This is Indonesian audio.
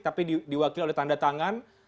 tapi diwakili oleh tanda tangan